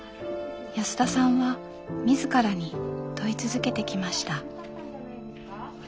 安田さんは自らに問い続けてきました。